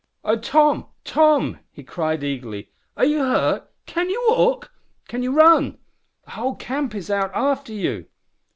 "Oh! Tom, Tom," he cried, eagerly, "are you hurt? Can you walk? Can you run? The whole camp is out after you."